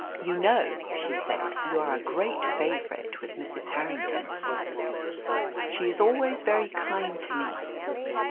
"You know," she said, "you are a great favourite with Mrs. Harrington." "She is always very kind to me."